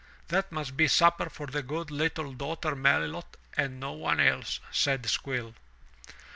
"That must be supper for the good little daughter Melilot and no one else,'* said Squill.